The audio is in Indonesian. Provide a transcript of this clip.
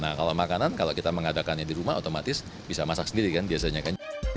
nah kalau makanan kalau kita mengadakannya di rumah otomatis bisa masak sendiri kan biasanya kan